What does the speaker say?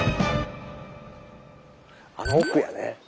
あの奥やね。